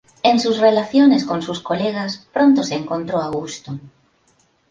En sus relaciones con sus colegas, pronto se encontró a gusto.